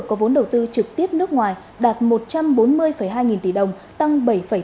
có vốn đầu tư trực tiếp nước ngoài đạt một trăm bốn mươi hai nghìn tỷ đồng tăng bảy tám